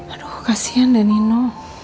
aduh kasian deh nino